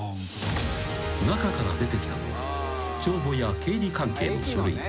［中から出てきたのは帳簿や経理関係の書類］